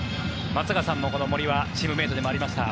松坂さん、森はチームメートでもありました。